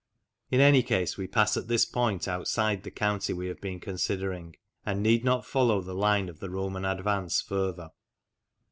In any case we pass at this point outside the county we have been considering, and need not follow the line of the Roman advance further.